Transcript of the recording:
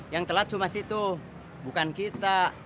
yang telat cuma situ bukan kita